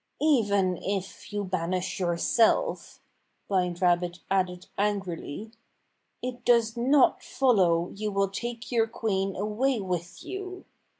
Even if you banish yourself," Blind Rabbit added angrily, " it does not follow you will take your queen away with you.